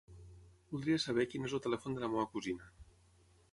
Voldria saber quin és el telèfon de la meva cosina.